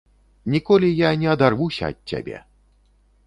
Ніколі я не адарвуся ад цябе!